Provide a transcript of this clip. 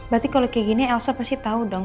berarti kalo kaya gini elsa pasti tau deh ya